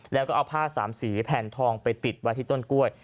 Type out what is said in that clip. แล้วก็เอาผ้าสามสีแผ่นทองไปติดไว้ที่ต้นกล้วย